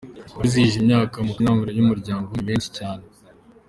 abizihije imyaka makumyabiri y’Umuryango nibenshi cyane